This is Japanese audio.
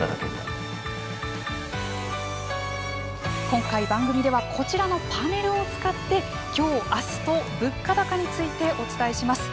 今回番組ではこちらのパネルを使って今日、明日と物価高についてお伝えします。